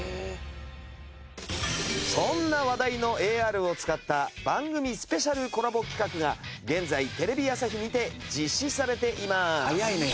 そんな話題のＡＲを使った番組スペシャルコラボ企画が現在テレビ朝日にて実施されています。